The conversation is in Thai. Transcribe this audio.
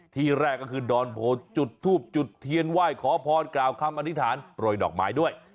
ที่แรกก็คือดอนโพจุดทูบจุดเทียนไหว้ขอพรกล่าวคำอธิษฐานโปรยดอกไม้ด้วย